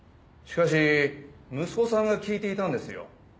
しかし息子さんが聞いていたんですよ。